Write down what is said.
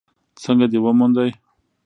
_څنګه دې وموند؟